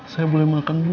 saya boleh makan dulu